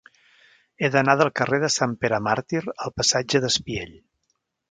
He d'anar del carrer de Sant Pere Màrtir al passatge d'Espiell.